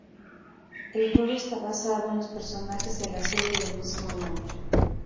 El juego está basado en los personajes de la serie del mismo nombre.